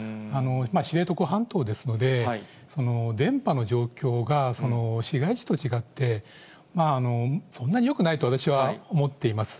知床半島ですので、電波の状況が、市街地と違って、そんなによくないと、私は思っています。